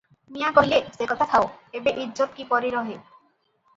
"ମିଆଁ କହିଲେ --" ସେ କଥା ଯାଉ, ଏବେ ଇଜ୍ଜତ କିପରି ରହେ?